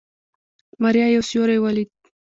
ماريا يو سيوری وليد.